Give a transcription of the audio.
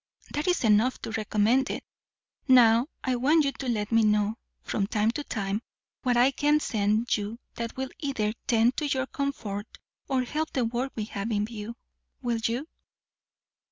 "That is enough to recommend it. Now I want you to let me know, from time to time, what I can send you that will either tend to your comfort, or help the work we have in view. Will you?"